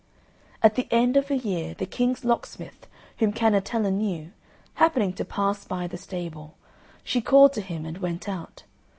At the end of a year the King's locksmith, whom Cannetella knew, happening to pass by the stable, she called to him and went out.